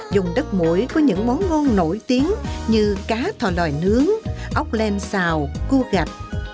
dùng đất mũi có những món ngon nổi tiếng như cá thò lòi nướng ốc lem xào cua gạch